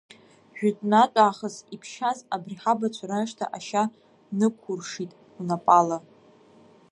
Жәытәнатә аахыс иԥшьаз абри ҳабацәа рашҭа ашьа нықәуршит унапала.